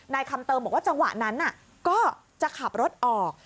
คำเติมบอกว่าจังหวะนั้นก็จะขับรถออก